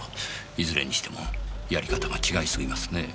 いずれにしてもやり方が違いすぎますね。